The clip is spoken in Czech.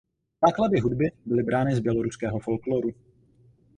Základy hudby byly brány z běloruského folkloru.